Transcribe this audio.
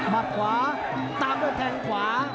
มัดขวาตามด้วยแทงขวา